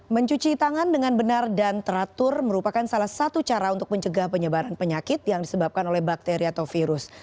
mencuci tangan dengan benar dan teratur merupakan salah satu cara untuk mencegah penyebaran penyakit yang disebabkan oleh bakteri atau virus